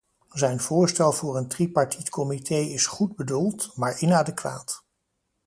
Zijn voorstel voor een tripartiet comité is goedbedoeld, maar inadequaat.